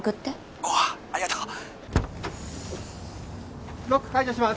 「おおありがとう」ロック解除します。